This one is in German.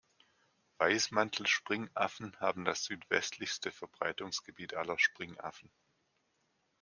Weißmantel-Springaffen haben das südwestlichste Verbreitungsgebiet aller Springaffen.